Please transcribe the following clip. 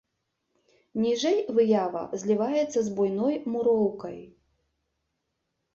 Ніжэй выява зліваецца з буйной муроўкай.